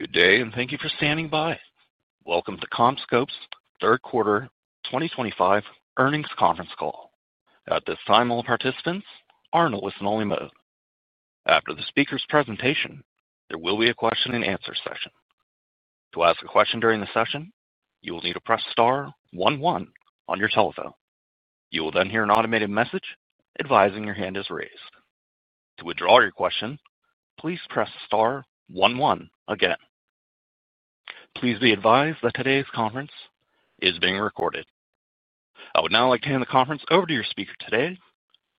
Good day and thank you for standing by. Welcome to CommScope's third quarter 2025 earnings conference call. At this time, all participants are in a listen-only mode. After the speaker's presentation, there will be a question and answer session. To ask a question during the session, you will need to press star one one on your telephone. You will then hear an automated message advising your hand is raised. To withdraw your question, please press star one one again. Please be advised that today's conference is being recorded. I would now like to hand the conference over to your speaker today,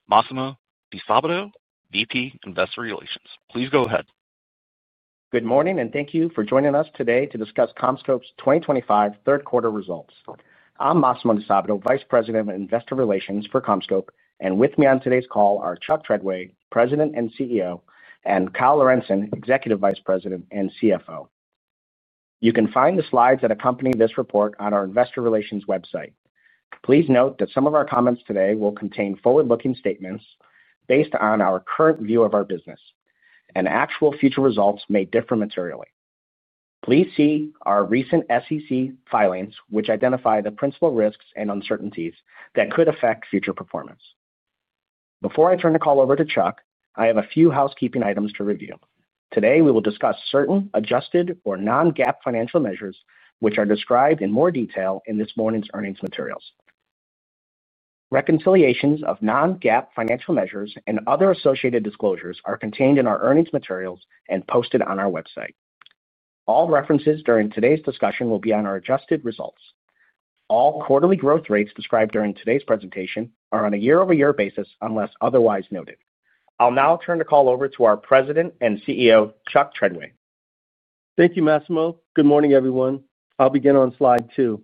Massimo DiSabato, VP ,Investor Relations. Please go ahead. Good morning and thank you for joining us today to discuss CommScope's 2025 third quarter results. I'm Massimo DiSabato, Vice President of Investor Relations for CommScope, and with me on today's call are Chuck Treadway, President and CEO, and Kyle Lorentzen, Executive Vice President and CFO. You can find the slides that accompany this report on our investor relations website. Please note that some of our comments today will contain forward-looking statements based on our current view of our business, and actual future results may differ materially. Please see our recent SEC filings, which identify the principal risks and uncertainties that could affect future performance. Before I turn the call over to Chuck, I have a few housekeeping items to review. Today we will discuss certain adjusted or non-GAAP financial measures, which are described in more detail in this morning's earnings materials. Reconciliations of non-GAAP financial measures and other associated disclosures are contained in our earnings materials and posted on our website. All references during today's discussion will be on our adjusted results. All quarterly growth rates described during today's presentation are on a year-over-year basis unless otherwise noted. I'll now turn the call over to. Our President and CEO, Chuck Treadway. Thank you, Massimo. Good morning everyone. I'll begin on slide two.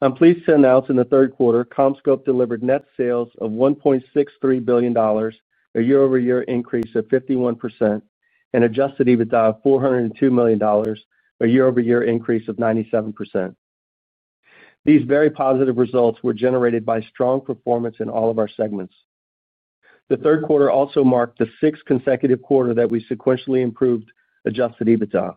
I'm pleased to announce in the third quarter CommScope delivered net sales of $1.63 billion, a year-over-year increase of 51%, and adjusted EBITDA of $402 million, a year-over-year increase of 97%. These very positive results were generated by strong performance in all of our segments. The third quarter also marked the sixth consecutive quarter that we sequentially improved adjusted EBITDA.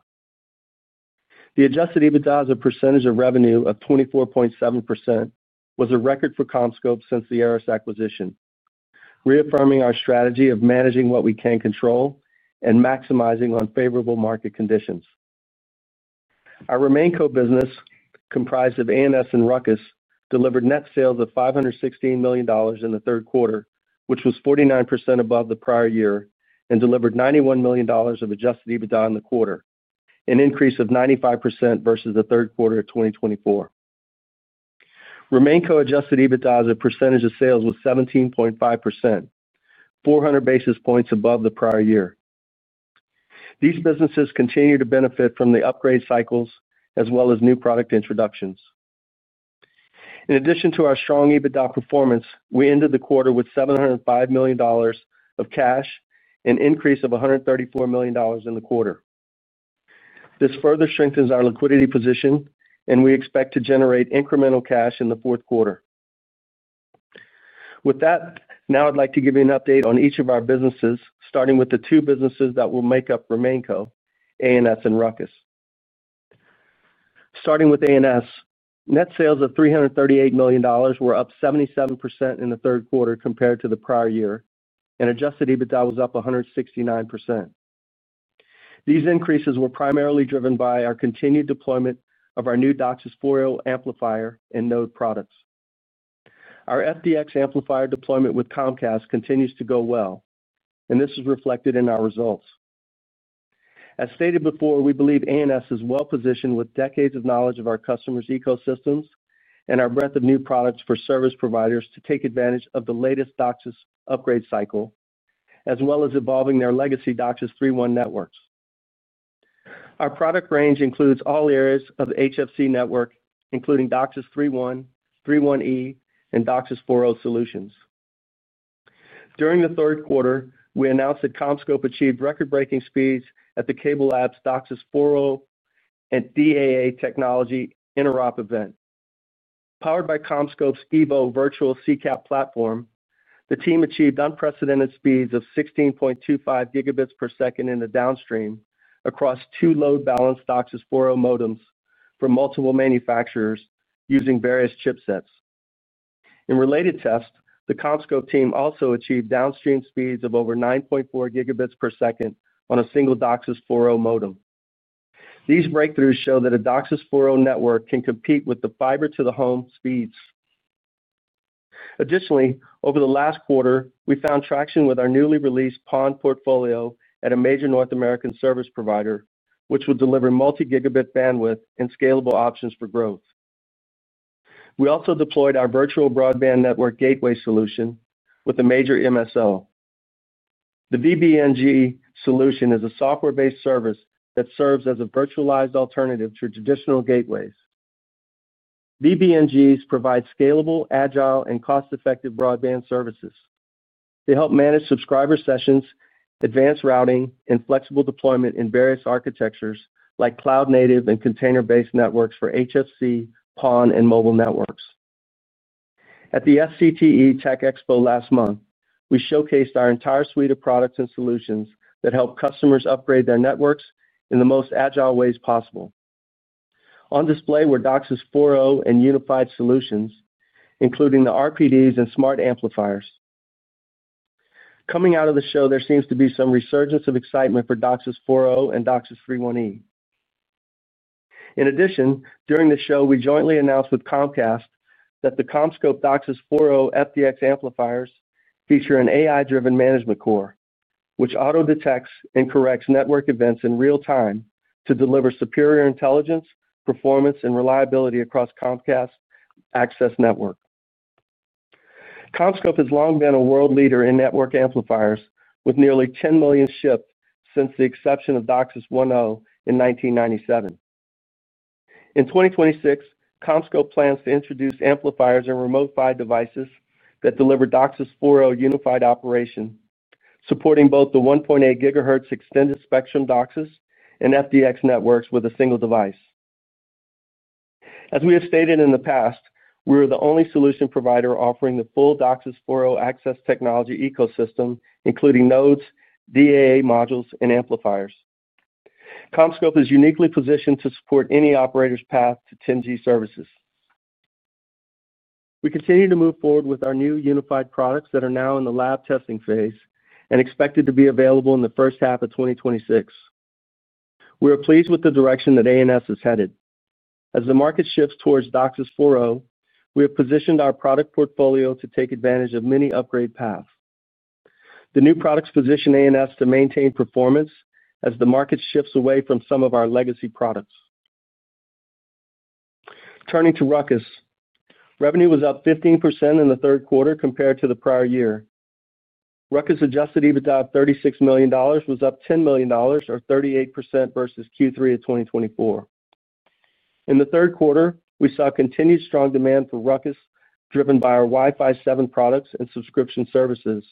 The adjusted EBITDA as a percentage of revenue of 24.7% was a record for CommScope since the ARRIS acquisition, reaffirming our strategy of managing what we can control and maximizing unfavorable market conditions. Our RemainCo business, comprised of ANS and RUCKUS, delivered net sales of $516 million in the third quarter, which was 49% above the prior year, and delivered $91 million of adjusted EBITDA in the quarter, an increase of 95% versus the third quarter of 2024. RemainCo adjusted EBITDA as a percentage of sales was 17.5%, 400 basis points above the prior year. These businesses continue to benefit from the upgrade cycles as well as new product introductions. In addition to our strong EBITDA performance, we ended the quarter with $705 million of cash, an increase of $134 million in the quarter. This further strengthens our liquidity position and we expect to generate incremental cash in the fourth quarter. With that, now I'd like to give you an update on each of our businesses, starting with the two businesses that will make up RemainCo, ANS and RUCKUS. Starting with ANS, net sales of $338 million were up 77% in the third quarter compared to the prior year and adjusted EBITDA was up 169%. These increases were primarily driven by our continued deployment of our new DOCSIS 4.0 amplifiers and nodes products. Our FDX amplifier deployment with Comcast continues to go well and this is reflected in our results. As stated before, we believe ANS is well positioned with decades of knowledge of our customers' ecosystems and our breadth of new products for service providers to take advantage of the latest DOCSIS upgrade cycle as well as evolving their legacy DOCSIS 3.1 networks. Our product range includes all areas of the HFC network including DOCSIS 3.1, 3.1e, and DOCSIS 4.0 solutions. During the third quarter, we announced that CommScope achieved record breaking speeds at the CableLabs DOCSIS 4.0 and DAA technology Interop event. Powered by CommScope's EVO virtual CCAP platform, the team achieved unprecedented speeds of 16.25 gigabits per second in the downstream across two load balance DOCSIS 4.0 modems from multiple manufacturers using various chipsets. In related tests, the CommScope team also achieved downstream speeds of over 9.4 gigabits per second on a single DOCSIS 4.0 modem. These breakthroughs show that a DOCSIS 4.0 network can compete with the fiber to the home speeds. Additionally, over the last quarter we found traction with our newly released PON portfolio and at a major North American service provider which will deliver multi-gigabit bandwidth and scalable options for growth. We also deployed our Virtual Broadband Network Gateway solution with a major MSO. The vBNG solution is a software-based service that serves as a virtualized alternative to traditional gateways. vBNGs provide scalable, agile, and cost-effective broadband services. They help manage subscriber sessions, advanced routing, and flexible deployment in various architectures like cloud-native and container-based networks for HFC, PON, and mobile networks. At the SCTE TechExpo last month, we showcased our entire suite of products and solutions that help customers upgrade their networks in the most agile ways possible. On display were DOCSIS 4.0 and Unified Solutions including the RPDS and Smart Amplifiers. Coming out of the show, there seems to be some resurgence of excitement for DOCSIS 4.0 and DOCSIS 3.1. In addition, during the show we jointly announced with Comcast that the CommScope DOCSIS 4.0 FDX amplifiers feature an AI-driven management core which auto-detects and corrects network events in real time to deliver superior intelligence, performance, and reliability across Comcast's access network. CommScope has long been a world leader in network amplifiers with nearly 10 million shipped since the inception of DOCSIS 1.0 in 1997. In 2026, CommScope plans to introduce amplifiers and remote PHY devices that deliver DOCSIS 4.0 unified operation supporting both the 1.8 GHz extended spectrum DOCSIS and FDX networks with a single device. As we have stated in the past, we are the only solution provider offering the full DOCSIS 4.0 access technology ecosystem including nodes, DAA modules, and amplifiers. CommScope is uniquely positioned to support any operator's path to 10G services. We continue to move forward with our new Unified products that are now in the lab testing phase and expected to be available in the first half of 2026. We are pleased with the direction that ANS is headed as the market shifts towards DOCSIS 4.0. We have positioned our product portfolio to take advantage of many upgrade paths. The new products position ANS to maintain performance as the market shifts away from. Some of our legacy products. Turning to RUCKUS, revenue was up 15% in the third quarter compared to the prior year. RUCKUS adjusted EBITDA of $36 million was up $10 million or 38% versus Q3 of 2024. In the third quarter, we saw continued strong demand for RUCKUS driven by our Wi-Fi 7 products and subscription services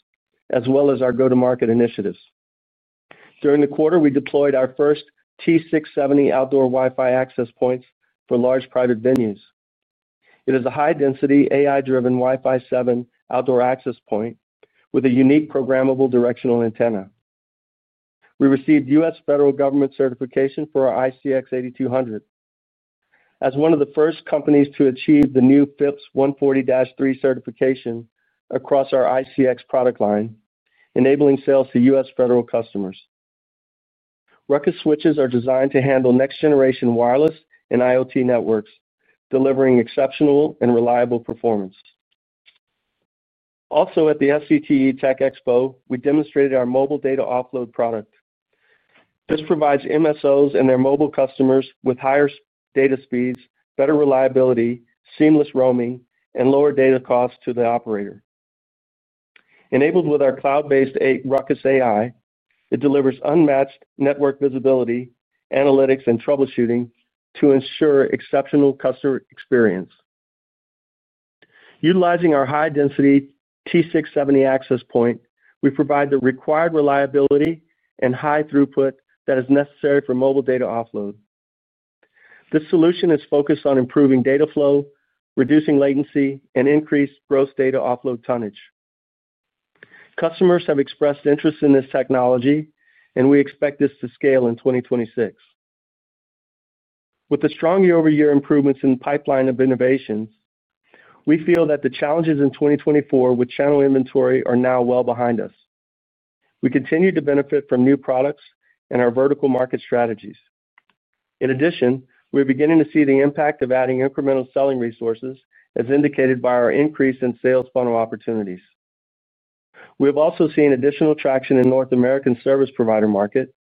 as well as our go-to-market initiatives. During the quarter, we deployed our first T670 outdoor Wi-Fi access points for large private venues. It is a high-density AI-driven Wi-Fi 7 outdoor access point with a unique programmable directional antenna. We received U.S. federal government certification for our ICX 8200 as one of the first companies to achieve the new FIPS 140-3 certification across our ICX product line, enabling sales to U.S. federal customers. RUCKUS switches are designed to handle next-generation wireless and IoT networks, delivering exceptional and reliable performance. Also, at the SCTE TechExpo, we demonstrated our mobile data offload product. This provides MSOs and their mobile customers with higher data speeds, better reliability, seamless roaming, and lower data cost to the operator. Enabled with our cloud-based RUCKUS AI, it delivers unmatched network visibility, analytics, and troubleshooting to ensure exceptional customer experience. Utilizing our high-density T670 access point, we provide the required reliability and high throughput that is necessary for mobile data offload. This solution is focused on improving data flow, reducing latency, and increased gross data offload tonnage. Customers have expressed interest in this technology, and we expect this to scale in 2026. With the strong year-over-year improvements in pipeline of innovations, we feel that the challenges in 2024 with channel inventory are now well behind us. We continue to benefit from new products and our vertical market strategies. In addition, we're beginning to see the impact of adding incremental selling resources as indicated by our increase in sales funnel opportunities. We have also seen additional traction in North American service provider market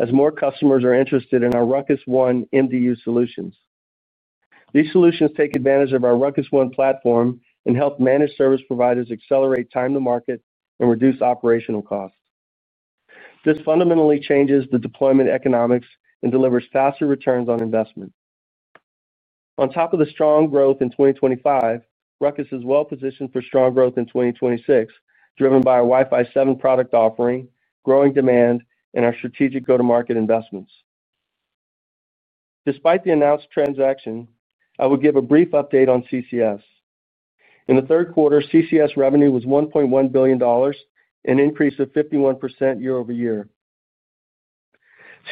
as more customers are interested in our RUCKUS One MDU solutions. These solutions take advantage of our RUCKUS One platform and help managed service providers accelerate time to market and reduce operational costs. This fundamentally changes the deployment economics and delivers faster returns on investment. On top of the strong growth in 2025, RUCKUS is well positioned for strong growth in 2026 driven by a Wi-Fi 7 product offering, growing demand, and our strategic go-to-market investments. Despite the announced transaction, I will give a brief update on CCS. In the third quarter, CCS revenue was $1.1 billion, an increase of 51% year-over-year.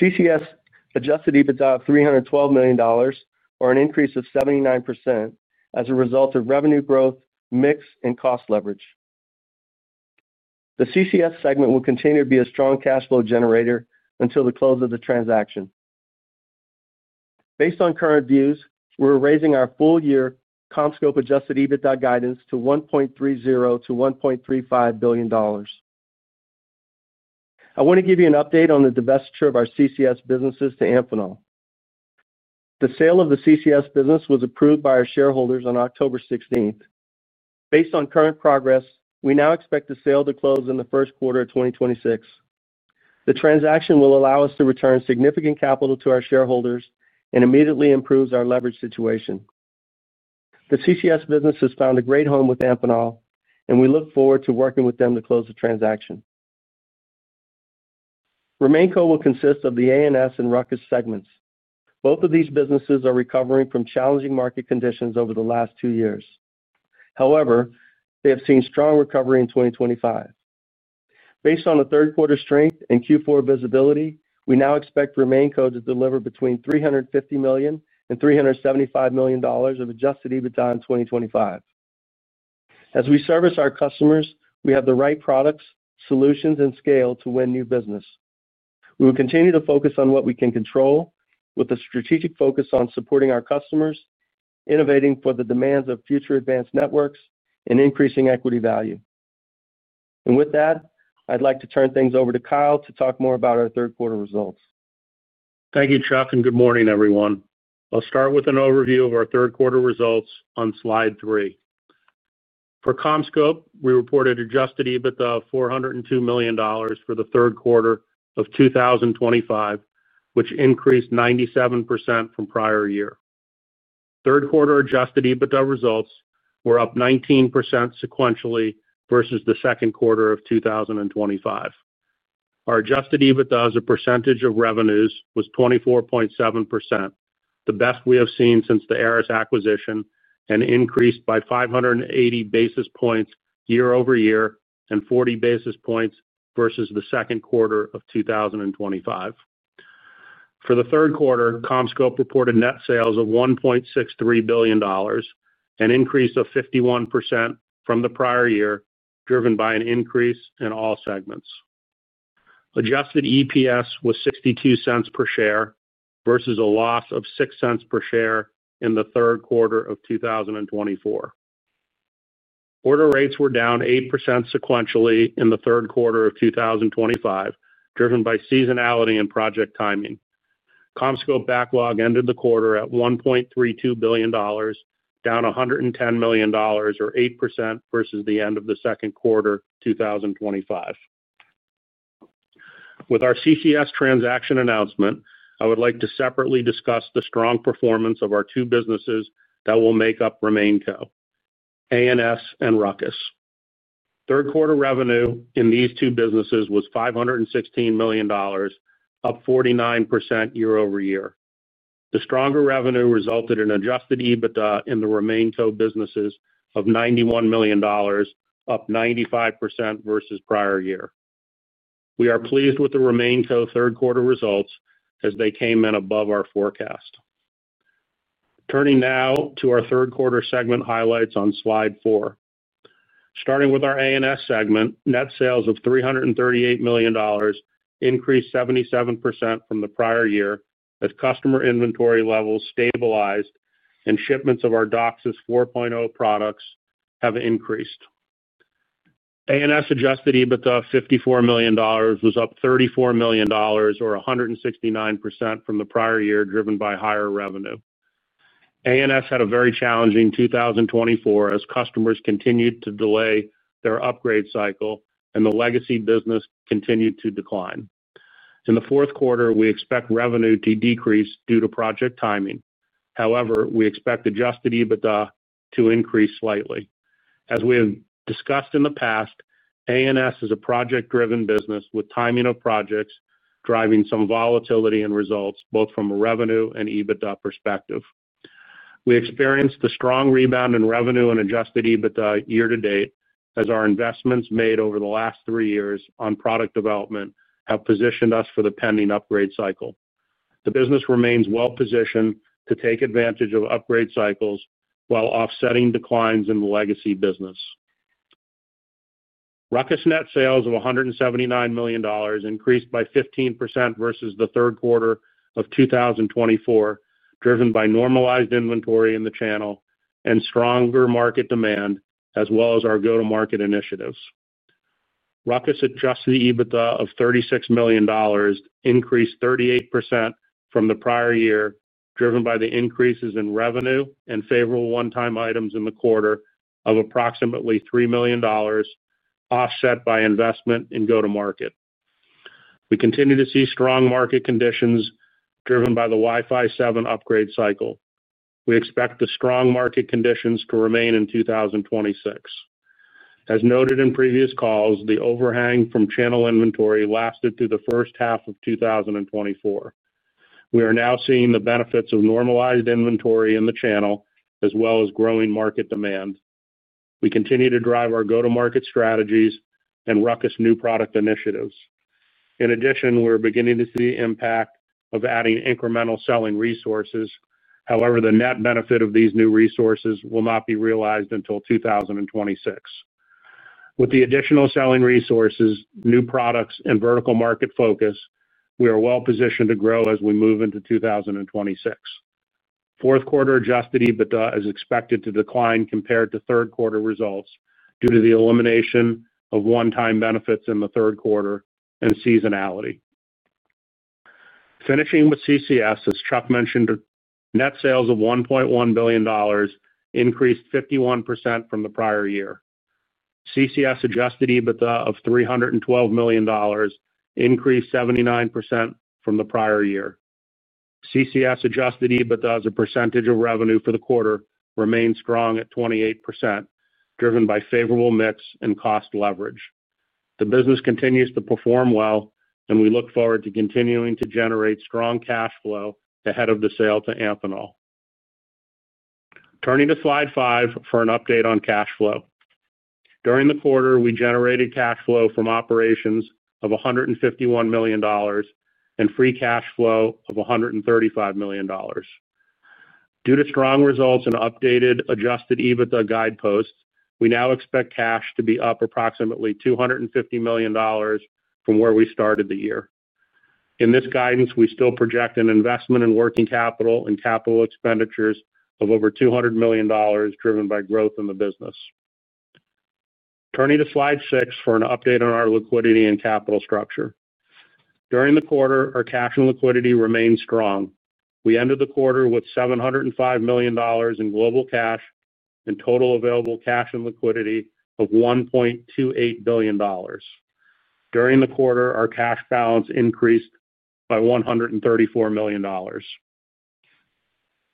CCS adjusted EBITDA was $312 million, an increase of 79%. As a result of revenue growth, mix, and cost leverage, the CCS segment will continue to be a strong cash flow generator until the close of the transaction. Based on current views, we're raising our full year CommScope adjusted EBITDA guidance to $1.30 to $1.35 billion. I want to give you an update on the divestiture of our CCS businesses to Amphenol. The sale of the CCS business was approved by our shareholders on October 16th. Based on current progress, we now expect. The sale to close in the first quarter of 2026. The transaction will allow us to return significant capital to our shareholders and immediately improves our leverage situation. The CCS business has found a great home with Amphenol and we look forward to working with them to close the transaction. RemainCo will consist of the ANS and RUCKUS segments. Both of these businesses are recovering from challenging market conditions over the last two years. However, they have seen strong recovery in 2025. Based on the third quarter strength and Q4 visibility, we now expect RemainCo to deliver between $350 million and $375 million of adjusted EBITDA in 2025. As we service our customers, we have the right products, solutions and scale to win new business. We will continue to focus on what we can control with a strategic focus on supporting our customers, innovating for the demands of future advanced networks and increasing equity value. I'd like to turn things over to Kyle to talk more about our third quarter results. Thank you, Chuck, and good morning, everyone. I'll start with an overview of our third quarter results on slide three for CommScope. We reported adjusted EBITDA of $402 million for the third quarter of 2025, which increased 97% from prior year. Third quarter adjusted EBITDA results were up 19% sequentially versus the second quarter of 2025. Our adjusted EBITDA as a percentage of revenues was 24.7%, the best we have seen since the ARRIS acquisition, and increased by 580 basis points year-over-year and 40 basis points versus the second quarter of 2025. For the third quarter, CommScope reported net sales of $1.63 billion, an increase of 51% from the prior year, driven by an increase in all segments. Adjusted EPS was $0.62 per share versus a loss of $0.06 per share in the third quarter of 2024. Order rates were down 8% sequentially in the third quarter of 2025, driven by seasonality and project timing. CommScope backlog ended the quarter at $1.32 billion, down $110 million or 8% versus the end of the second quarter 2025. With our CCS transaction announcement, I would like to separately discuss the strong performance of our two businesses that will make up RemainCo. ANS and RUCKUS third quarter revenue in these two businesses was $516 million, up 49% year-over-year. The stronger revenue resulted in adjusted EBITDA in the RemainCo businesses of $91 million, up 95% versus prior year. We are pleased with the RemainCo third quarter results as they came in above our forecast. Turning now to our third quarter segment highlights on slide four, starting with our ANS segment, net sales of $338 million increased 77% from the prior year as customer inventory levels stabilized and shipments of our DOCSIS 4.0 products have increased. ANS adjusted EBITDA $54 million was up $34 million or 169% from the prior year, driven by higher revenue. ANS had a very challenging 2024 as customers continued to delay their upgrade cycle and the legacy business continued to decline. In the fourth quarter, we expect revenue to decrease due to project timing. However, we expect adjusted EBITDA to increase slightly. As we have discussed in the past, ANS is a project-driven business with timing of projects driving some volatility in results both from a revenue and EBITDA perspective. We experienced a strong rebound in revenue and adjusted EBITDA year to date as our investments made over the last three years on product development have positioned us for the pending upgrade cycle. The business remains well positioned to take advantage of upgrade cycles while offsetting declines in the legacy business. RUCKUS net sales of $179 million increased by 15% versus the third quarter of 2024, driven by normalized inventory in the channel and stronger market demand as well as our go to market initiatives. RUCKUS adjusted EBITDA of $36 million increased 38% from the prior year, driven by the increases in revenue and favorable one time items in the quarter of approximately $3 million, offset by investment in go to market. We continue to see strong market conditions driven by the Wi-Fi 7 upgrade cycle. We expect the strong market conditions to remain in 2026. As noted in previous calls, the overhang from channel inventory lasted through the first half of 2024. We are now seeing the benefits of normalized inventory in the channel as well as growing market demand. We continue to drive our go to market strategies and RUCKUS new product initiatives. In addition, we're beginning to see the impact of adding incremental selling resources. However, the net benefit of these new resources will not be realized until 2026. With the additional selling resources, new products, and vertical market focus, we are well positioned to grow as we move into 2026. Fourth quarter adjusted EBITDA is expected to decline compared to third quarter results due to the elimination of one time benefits in the third quarter and seasonality. Finishing with CCS, as Chuck mentioned, net sales of $1.1 billion increased 51% from the prior year. CCS adjusted EBITDA of $312 million increased 79% from the prior year. CCS adjusted EBITDA as a percentage of revenue for the quarter remained strong at 28%, driven by favorable mix and cost leverage. The business continues to perform well and we look forward to continuing to generate strong cash flow ahead of the sale to Amphenol. Turning to slide five for an update on cash flow during the quarter, we generated cash flow from operations of $151 million and free cash flow of $135 million. Due to strong results and updated adjusted EBITDA guideposts, we now expect cash to be up approximately $250 million from where we started the year. In this guidance, we still project an investment in working capital and capital expenditures of over $200 million, driven by growth in the business. Turning to slide six for an update on our liquidity and capital structure. During the quarter, our cash and liquidity remained strong. We ended the quarter with $705 million in global cash and total available cash and liquidity of $1.28 billion. During the quarter, our cash balance increased by $134 million.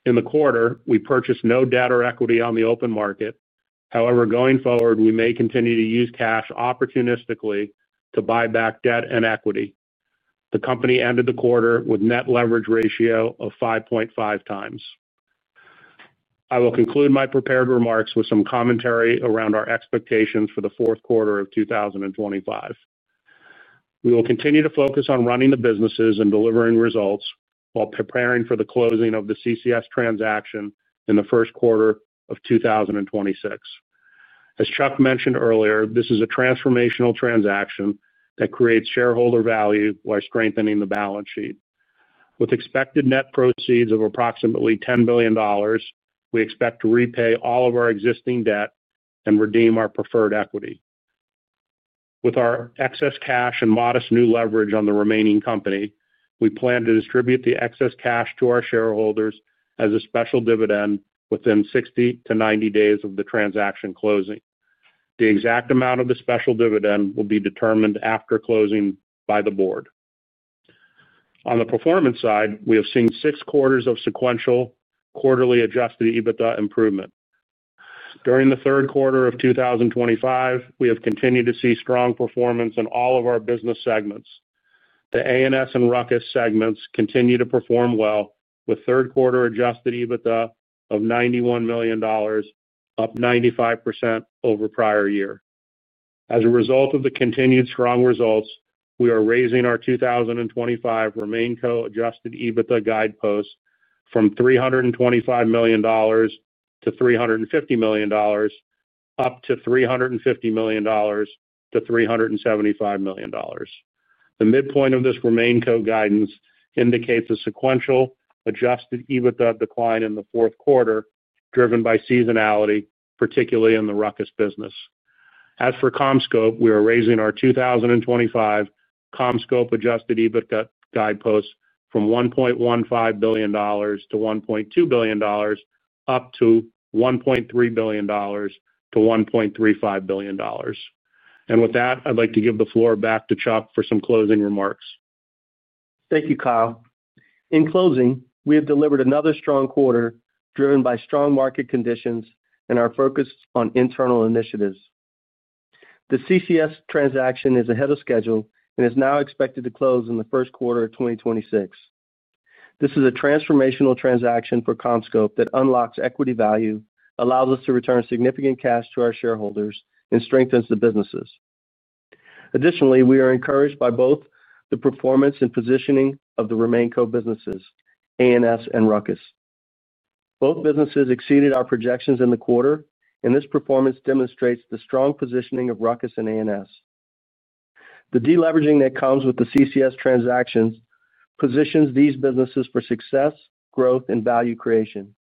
In the quarter, we purchased no debt or equity on the open market. However, going forward, we may continue to use cash opportunistically to buy back debt and equity. The company ended the quarter with net leverage ratio of 5.5x. I will conclude my prepared remarks with some commentary around our expectations for the fourth quarter of 2025. We will continue to focus on running the businesses and delivering results while preparing for the closing of the CCS transaction in the first quarter of 2026. As Chuck mentioned earlier, this is a transformational transaction that creates shareholder value while strengthening the balance sheet. With expected net proceeds of approximately $10 billion, we expect to repay all of our existing debt and redeem our preferred equity with our excess cash and modest new leverage on the remaining company. We plan to distribute the excess cash to our shareholders as a special dividend within 60 days-90 days of the transaction closing. The exact amount of the special dividend will be determined after closing by the board. On the performance side, we have seen six quarters of sequential quarterly adjusted EBITDA improvement during the third quarter of 2025. We have continued to see strong performance in all of our business segments. The ANS and RUCKUS segments continue to perform well with third quarter adjusted EBITDA of $91 million, up 95% over prior year. As a result of the continued strong results, we are raising our 2025 RemainCo adjusted EBITDA guidepost from $325 million to $350 million, up to $350 million to $375 million. The midpoint of this RemainCo guidance indicates a sequential adjusted EBITDA decline in the fourth quarter driven by seasonality, particularly in the RUCKUS business. As for CommScope, we are raising our 2025 CommScope adjusted EBITDA guidepost from $1.15 billion to $1.2 billion, up to $1.3 billion to $1.35 billion. With that, I'd like to give the floor back to Chuck for some closing remarks. Thank you, Kyle. In closing, we have delivered another strong quarter driven by strong market conditions and our focus on internal initiatives. The CCS transaction is ahead of schedule and is now expected to close in the first quarter of 2026. This is a transformational transaction for CommScope that unlocks equity value, allows us to return significant cash to our shareholders, and strengthens the businesses. Additionally, we are encouraged by both the performance and positioning of the RemainCo businesses, ANS and RUCKUS. Both businesses exceeded our projections in the quarter, and this performance demonstrates the strong positioning of RUCKUS and ANS. The deleveraging that comes with the CCS transaction positions these businesses for success, growth, and value creation.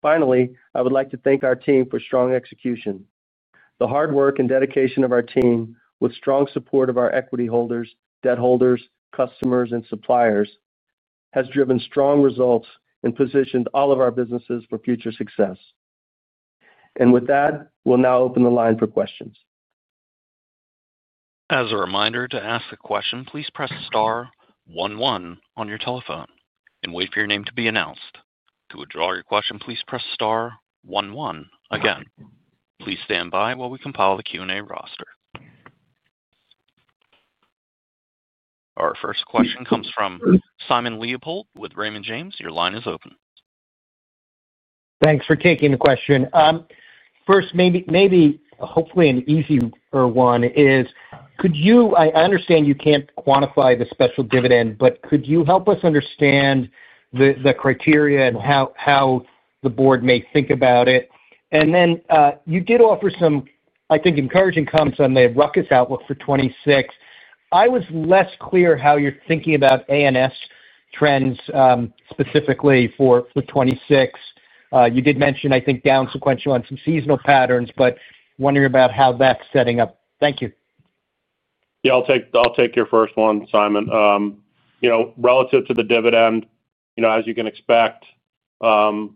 Finally, I would like to thank our team for strong execution. The hard work and dedication of our team, with strong support of our equity holders, debt holders, customers, and suppliers, has driven strong results and positioned all of our businesses for future success. We will now open the line for questions. As a reminder to ask a question, please press star one one on your telephone and wait for your name to be announced. To withdraw your question, please press star one one. Again, please stand by while we compile the Q&A roster. Our first question comes from Simon Leopold with Raymond James. Your line is open. Thanks for taking the question. First, maybe, hopefully an easier one is could you, I understand you can't quantify the special dividend, but could you help us understand the criteria and how the board may think about it? You did offer some, I think, encouraging comments on the RUCKUS outlook for 2026. I was less clear how you're thinking about ANS trends specifically for 2026. You did mention, I think, down sequential on some seasonal patterns, but wondering about how that's setting up. Thank you. I'll take your first one, Simon. Relative to the dividend, as you can expect, when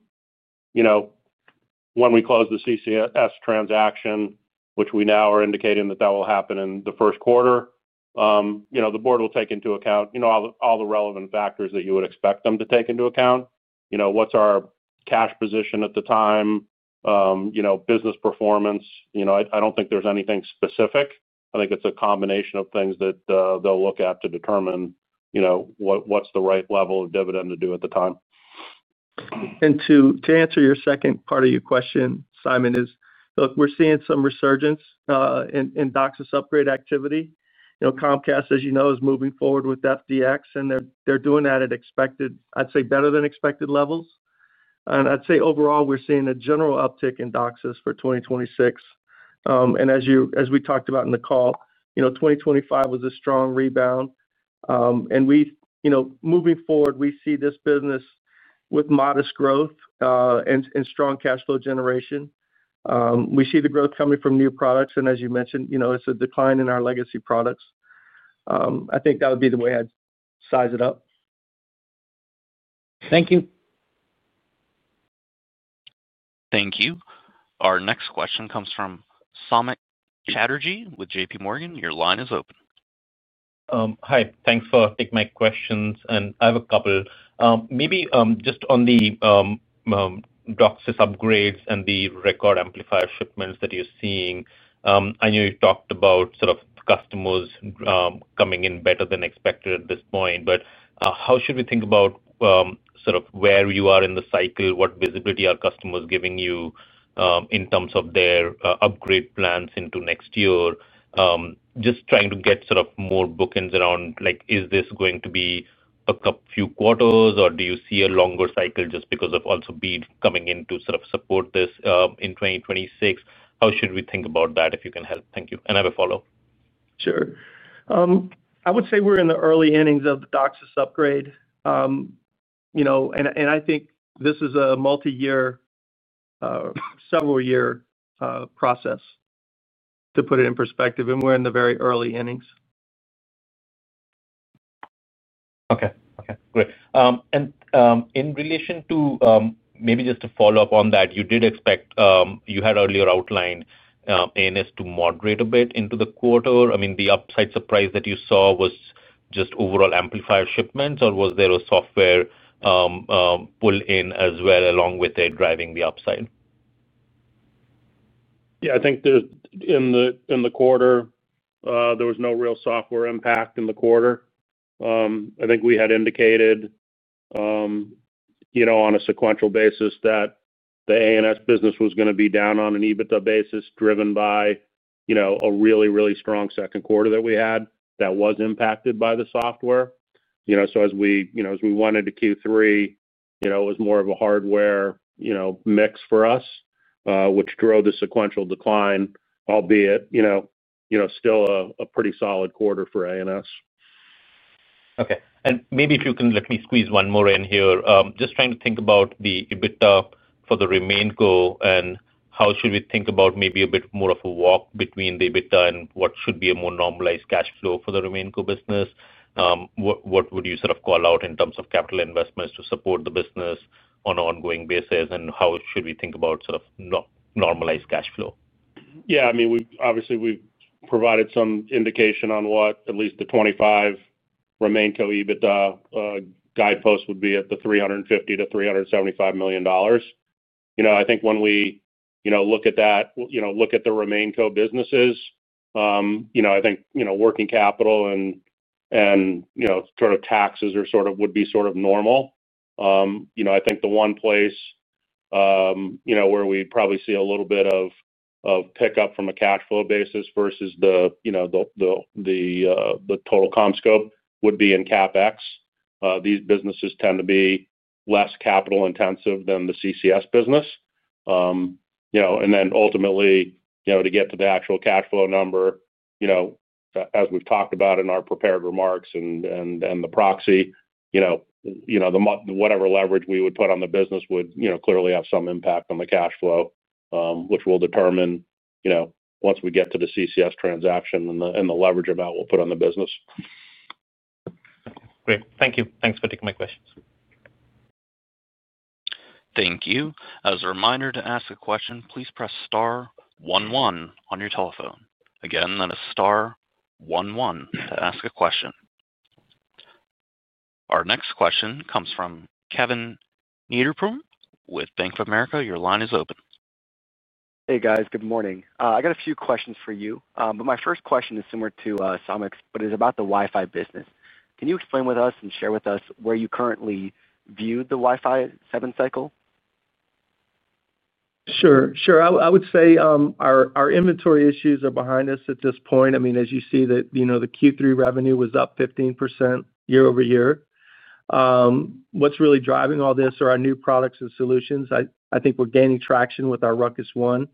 we close the CCS transaction, which we now are indicating that will happen in the first quarter, the board will take into account all the relevant factors that you would expect them to take into account. What's our cash position at the time, business performance. I don't think there's anything specific. I think it's a combination of things that they'll look at to determine what's the right level of dividend. To do at the time. To answer your second part. Your question, Simon, is look, we're seeing some resurgence in DOCSIS upgrade activity. Comcast, as you know, is moving forward with FDX and they're doing that at expected, I'd say better than expected levels. I'd say overall we're seeing a general uptick in DOCSIS for 2026. As we talked about in the call, 2025 was a strong rebound and we, you know, moving forward we see this business with modest growth and strong cash flow generation. We see the growth coming from new. Products, and as you mentioned, you know, it's a decline in our legacy products. I think that would be the way. I'd size it up. Thank you. Thank you. Our next question comes from Samik Chatterjee with JPMorgan. Your line is open. Hi, thanks for taking my questions. I have a couple maybe just on the DOCSIS upgrades and the record amplifier shipments that you're seeing. I know you talked about customers coming in better than expected at this point, but how should we think about where you are in the cycle? What visibility are customers giving you in terms of their upgrade plans into next year? Just trying to get more bookends around. Is this going to be a few quarters or do you see a longer cycle just because of also BEAD coming in to support this in 2026? How should we think about that? If you can help. Thank you. I have a follow up. Sure. I would say we're in the early. innings of the DOCSIS upgrade, and I think this is a multi-year, several-year process to put it in perspective. We're in the very early innings. Okay, great. In relation to maybe just to follow up on that, you did expect you had earlier outlined ANS to moderate a bit into the quarter. I mean, the upside surprise that you saw was just overall amplifier shipments, or was there a software pull-in as well along with it driving the upside? Yeah, I think in the quarter there was no real software impact in the quarter. I think we had indicated. You know. On a sequential basis, the ANS business was going to be down on an EBITDA basis, driven by a really, really strong second quarter that we had that was impacted by the software. As we, you know. As we went into Q3, it was more of a hardware mix for us, which drove the. Sequential decline, albeit still a pretty solid quarter for ANS. Okay, maybe if you can let me squeeze one more in here. Just trying to think about the EBITDA for the RemainCo and how should we think about maybe a bit more of a walk between the EBITDA and what should be a more normalized cash flow for the RemainCo business? What would you sort of call out in terms of capital investments to support the business on an ongoing basis? How should we think about sort of normalized cash flow? Yeah, I mean obviously we provided some indication on what at least the 2025 RemainCo EBITDA guidepost would be at the $350-$375 million. I think when we look at that, look at the RemainCo businesses, I think working capital and sort of taxes are sort of, would be sort of normal. I think the one place where we probably see a little bit of pickup from a cash flow basis versus the total CommScope would be in CapEx. These businesses tend to be less capital intensive than the CCS business, and then ultimately, to get to the actual cash flow number, you. As we've talked about in our. Prepared remarks and the proxy, whatever leverage we would put on the business would clearly have some impact on the cash flow, which we'll determine once we get to the CCS transaction and the leverage amount we'll put on the business. Great, thank you. Thanks for taking my questions. Thank you. As a reminder to ask a question, please press star one one on your telephone. Again, that is star one one to ask a question. Our next question comes from Kevin Niederpruem with Bank of America. Your line is open. Hey guys, good morning. I got a few questions for you, but my first question is similar to Samik's, but it's about the Wi-Fi business. Can you explain with us and share with us where you currently view the Wi-Fi 7 cycle? Sure. I would say our inventory issues are behind us at this point. I mean, as you see that the Q3 revenue was up 15% year-over-year. What's really driving all this are our. New products and solutions. I think we're gaining traction with our. RUCKUS One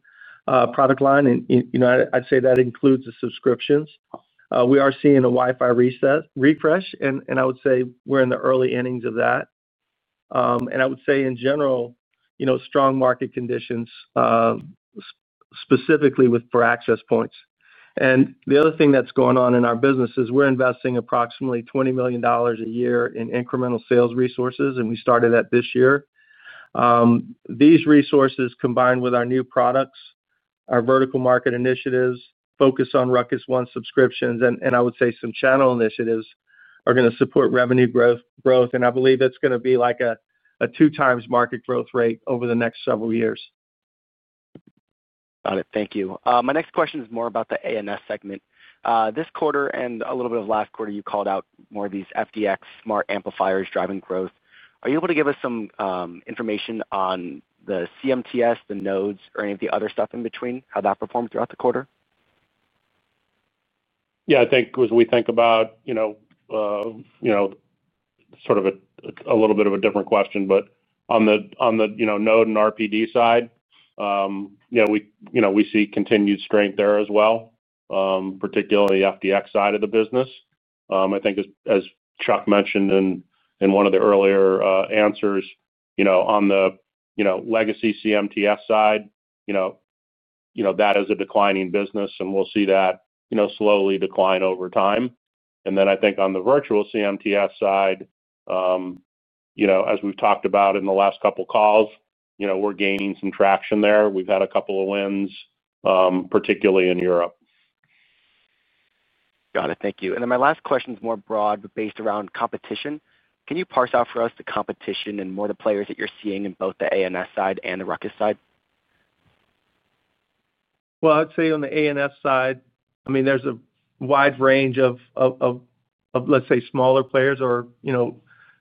product line, and I'd say. That includes the subscription services. We are seeing a Wi-Fi refresh, and I would say we're in the early innings of that. I would say, in general, strong market conditions. Specifically for access points, the other thing that's going on. In our business, we're investing approximately $20 million a year in incremental SAL resources, and we started that this year. These resources, combined with our new products, our vertical market initiatives, focus on RUCKUS One subscriptions, and I would say some channel initiatives, are going to support revenue growth, and I believe it's going to be like a two times market growth rate over the next several years. Got it, thank you. My next question is more about the ANS segment this quarter and a little. Bit of last quarter. You called out more of these FDX amplifiers driving growth. Are you able to give us some information on the CMTS, the nodes, or any of the other stuff in between? How did that perform throughout the quarter? Yeah, I think as we think about sort of a little bit of a pause. Different question, but on the node and RPD side, we see continued strength there as well, particularly FDX side of the business. I think as Chuck mentioned in one of the earlier answers, on the legacy CMTS side, that is a declining business and we'll see that slowly decline over time. I think on the virtual CMTS side, as we've talked about in the last couple calls, we're gaining some traction there. We've had a couple of wins, particularly in Europe. Got it, thank you. My last question is more broad, based around competition. Can you parse out for us the competition? More the players that you're seeing in. Both the ANS side and the RUCKUS side? On the ANS side, there's a wide range of, let's say, smaller players or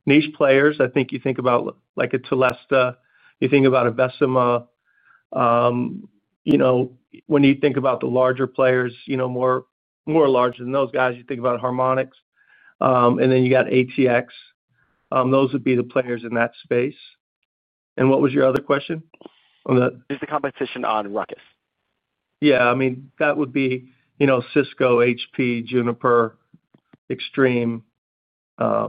niche players. I think you think about like a Teleste, you think about a Vecima. When you think about the larger players, more larger than those guys, you think about Harmonic, and then you got ATX. Those would be the players in that space. What was your other question? Is the competition on RUCKUS? Yeah, I mean that would be, you know, Cisco, Hewlett Packard Enterprise, Juniper, Extreme. That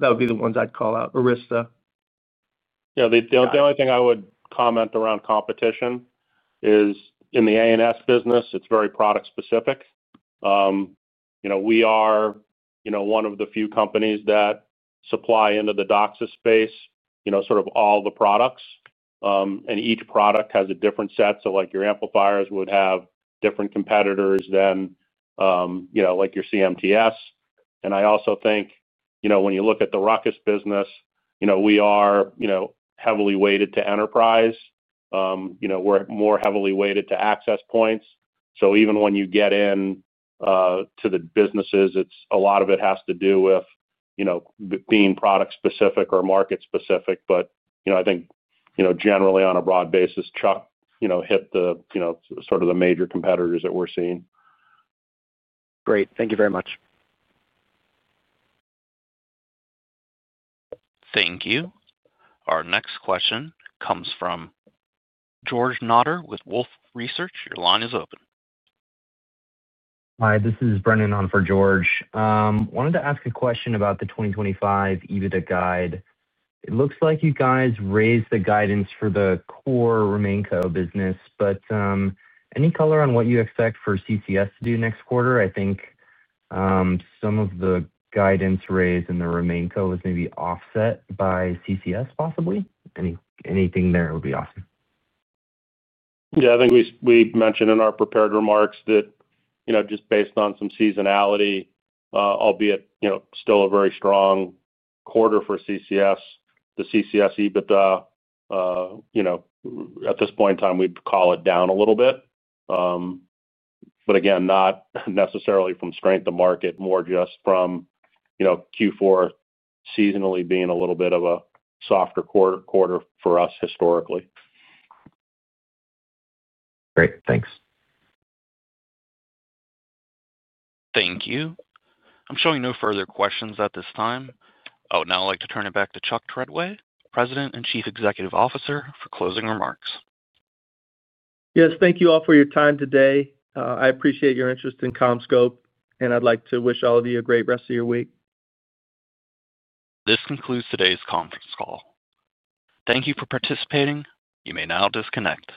would be the ones I'd call out. Arista. Yeah, the only thing I would comment around competition is in the ANS business. It's very product specific. We are one of the few companies that supply into the DOCSIS space, sort of all the products, and each product has a different set. Like your amplifiers would have different competitors than your CMTs. I also think when you look at the RUCKUS business, we are heavily weighted to enterprise. We're more heavily weighted to access points. Even when you get into the businesses, a lot of it has to do with being product specific or market specific. I think generally on a broad basis, Chuck hit the major competitors that we're seeing. Great, thank you very much. Thank you. Our next question comes from George Notter with Wolfe Research. Your line is open. Hi, this is Brenden on for George. Wanted to ask a question about the 2025 EBITDA guide. It looks like you guys raised the guidance for the core RemainCo business, but any color on what you expect for CTS to do next quarter? I think some of the guidance raised in the RemainCo was maybe offset by CCS. Anything there would be awesome. Yeah, I think we mentioned in our prepared remarks that just based on some seasonality, albeit still a very strong quarter for CCS, the CCS EBITDA. At this. Point in time, we'd call it down a little bit, but again, not necessarily from strength of market, more just from Q4, seasonally being a little bit off. A softer quarter for us historically. Great, thanks. Thank you. I'm showing no further questions at this time. I would now like to turn it back to Chuck Treadway, President and Chief Executive Officer, for closing remarks. Yes. Thank you all for your time today. I appreciate your interest in CommScope and I'd like to wish all of you a great rest of your week. This concludes today's conference call. Thank you for participating. You may now disconnect.